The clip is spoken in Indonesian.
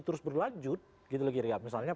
terus berlanjut gitu lagi ya misalnya